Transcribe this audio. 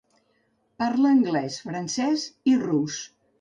Parla anglès, francès, i rus.